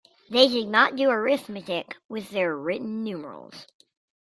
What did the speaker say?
They did not do arithmetic with their written numerals.